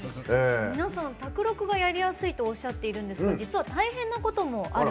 皆さん宅録がやりやすいとおっしゃっているんですが実は大変なこともあるみたいです。